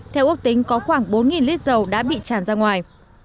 theo ước tính có khoảng bốn lít dầu đã bị tràn ra ngoài